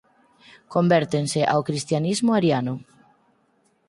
Convértense ao cristianismo ariano.